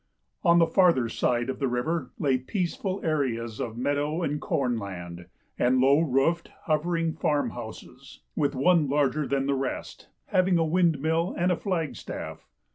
On the farther side of the river lay peaceful areas of meadow and corn land, and low roofed, hovering farm houses, with one larger than the rest, having a windmill and a flagstafif.